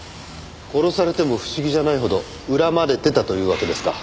殺されても不思議じゃないほど恨まれてたというわけですか。